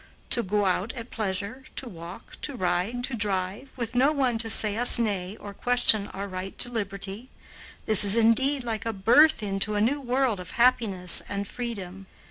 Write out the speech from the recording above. To go out at pleasure, to walk, to ride, to drive, with no one to say us nay or question our right to liberty, this is indeed like a birth into a new world of happiness and freedom.